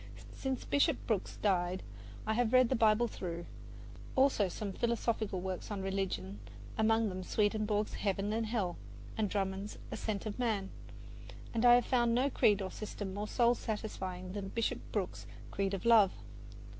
Since Bishop Brooks died I have read the Bible through; also some philosophical works on religion, among them Swedenborg's "Heaven and Hell" and Drummond's "Ascent of Man," and I have found no creed or system more soul satisfying than Bishop Brooks's creed of love.